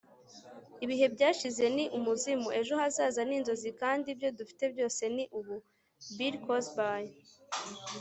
ibihe byashize ni umuzimu, ejo hazaza ni inzozi kandi ibyo dufite byose ni ubu. - bill cosby